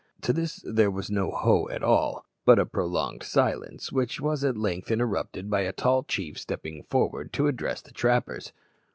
To this there was no "Ho" at all, but a prolonged silence, which was at length interrupted by a tall chief stepping forward to address the trappers.